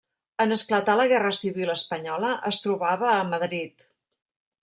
En esclatar la guerra civil espanyola es trobava a Madrid.